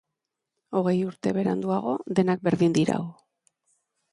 Hogei urte beranduago, denak berdin dirau.